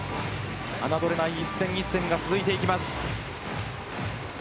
侮れない一戦一戦が続いていきます。